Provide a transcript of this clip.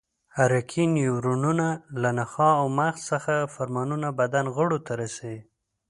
حرکي نیورونونه له نخاع او مغز څخه فرمانونه بدن غړو ته رسوي.